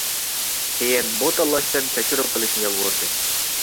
كېيىن بۇ تاللاشتىن كەچۈرۈم قىلىشنى يالۋۇردى.